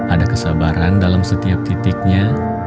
ada kesabaran dalam setiap titiknya